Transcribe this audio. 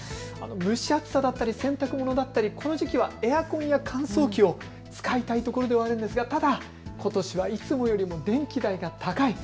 蒸し暑さだったり洗濯物だったりこの時期はエアコンや乾燥機を使いたいところではあるんですがただ、ことしはいつもよりも電気代が高い。